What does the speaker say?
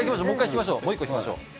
もう１個引きましょう。